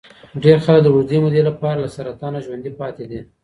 ډېر خلک د اوږدې مودې لپاره له سرطان ژوندي پاتې دي.